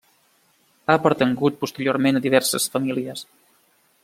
Ha pertangut posteriorment a diverses famílies.